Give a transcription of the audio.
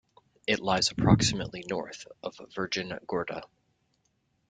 It lies approximately north of Virgin Gorda.